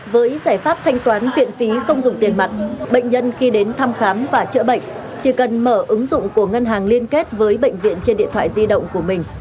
với giải pháp thanh toán viện phí không dùng tiền mặt bệnh nhân khi đến thăm khám và chữa bệnh chỉ cần mở ứng dụng của ngân hàng liên kết với bệnh viện trên điện thoại di động của mình